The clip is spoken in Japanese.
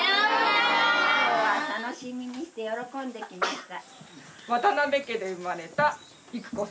今日は楽しみにして喜んで来ました。